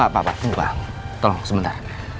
pak tolong sebentar